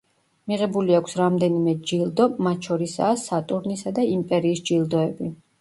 მიღებული აქვს რამდენიმე ჯილდო, მათ შორისაა სატურნისა და იმპერიის ჯილდოები.